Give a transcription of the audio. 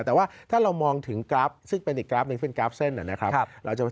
แต่ว่าถ้าเรามองถึงกราฟซึ่งเป็นอีกกราฟหนึ่งเป็นกราฟเส้นนะครับ